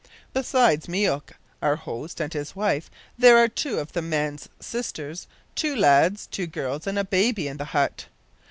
Besides Myouk, our host, and his wife, there are two of the man's sisters, two lads, two girls, and a baby in the hut.